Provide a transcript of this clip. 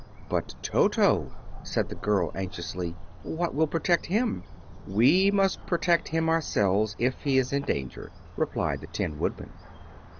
"But Toto!" said the girl anxiously. "What will protect him?" "We must protect him ourselves if he is in danger," replied the Tin Woodman.